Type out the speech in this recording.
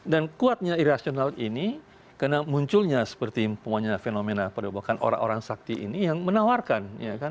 dan kuatnya irasional ini karena munculnya seperti banyak fenomena pada bahkan orang orang sakti ini yang menawarkan